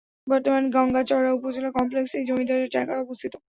বর্তমান গংগাচড়া উপজেলা কমপ্লেক্স এই জমিদারের জায়গায় অবস্থিত।